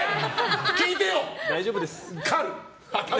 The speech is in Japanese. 聞いてよ！